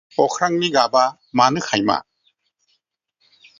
अख्रांनि गाबा मानो खाइमा?